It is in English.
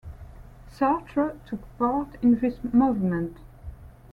Sartre took part in this movement.